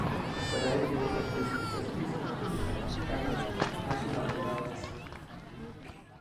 Por ello, las precipitaciones en la capital mexicana no son abundantes.